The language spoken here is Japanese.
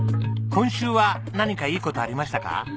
今週は何かいい事ありましたか？